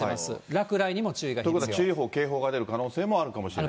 落雷にも注意が必要。ということは注意報、警報が出る可能性があるかもしれない。